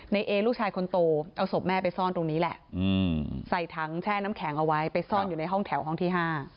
เอลูกชายคนโตเอาศพแม่ไปซ่อนตรงนี้แหละใส่ถังแช่น้ำแข็งเอาไว้ไปซ่อนอยู่ในห้องแถวห้องที่๕